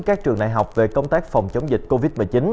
các trường đại học về công tác phòng chống dịch covid một mươi chín